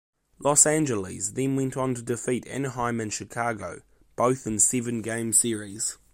Los Angeles then went on to defeat Anaheim and Chicago, both in seven-game series.